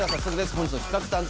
本日の企画担当